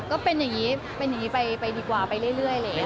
ก็เป็นอย่างนี้ไปดีกว่าไปเรื่อยเลยค่ะ